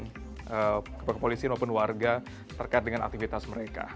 kebanyakan polisi dan warga terkait dengan aktivitas mereka